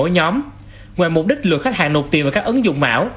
ngoài mục đích lừa khách hàng nộp tiền vào các ứng dụng ảo